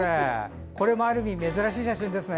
これも、ある意味珍しい写真ですね。